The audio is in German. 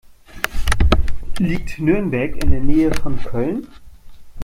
Liegt Nürnberg in der Nähe von Köln?